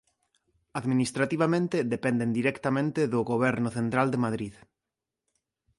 Administrativamente dependen directamente do Goberno central de Madrid.